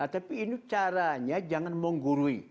tapi ini caranya jangan menggurui